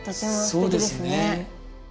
そうですね。